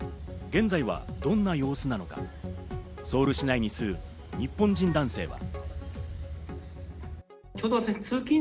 現在はどんな様子なのか、ソウル市内に住む日本人男性は。